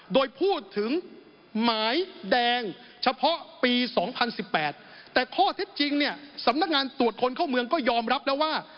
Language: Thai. โดยพูดถึงหมายแดงเฉพาะปี๒๐๑๘แต่ข้อเท็จจริงเนี่ยสำนักงานตรวจคนเข้าเมืองก็ยอมรับแล้วว่า